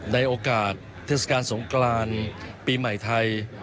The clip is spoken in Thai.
ในโอกาสเทศกาลสงกรานปีใหม่ไทย